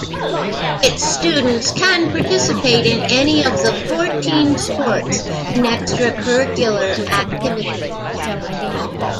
Its students can participate in any of fourteen sports and extracurricular activities.